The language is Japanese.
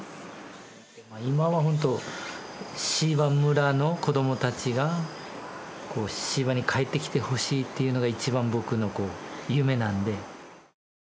今は本当椎葉村の子どもたちがこう椎葉に帰ってきてほしいっていうのが一番僕の夢なので。